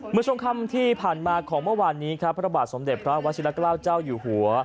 เมื่อช่วงค่ำที่ผ่านมาของเมื่อวานนี้ครับพระบาทสมเด็จพระวชิละเกล้าเจ้าอยู่หัว